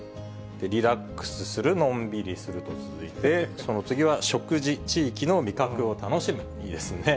リラックスする、のんびりすると続いて、その次は食事、地域の味覚を楽しむ、いいですね。